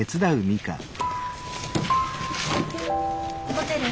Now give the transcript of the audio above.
持てる？